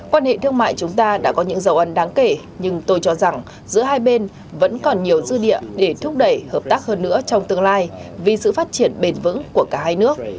quan hệ thương mại chúng ta đã có những dấu ân đáng kể nhưng tôi cho rằng giữa hai bên vẫn còn nhiều dư địa để thúc đẩy hợp tác hơn nữa trong tương lai vì sự phát triển bền vững của cả hai nước